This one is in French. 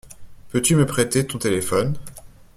Peux-tu me prêter ton téléphone?